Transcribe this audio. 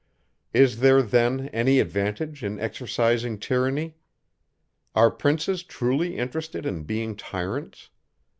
Is there then any advantage in exercising tyranny? Are princes truly interested in being tyrants?